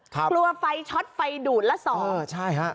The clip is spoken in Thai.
ครับเกลอไฟชอตไฟดูดละสองเออใช่ครับ